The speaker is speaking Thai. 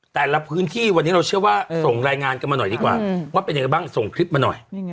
แต่ละพื้นที่วันนี้เราเชื่อว่าส่งรายงานกันมาหน่อยดีกว่าว่าเป็นยังไงบ้างส่งคลิปมาหน่อย